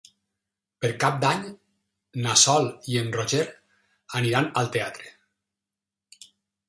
Per Cap d'Any na Sol i en Roger iran al teatre.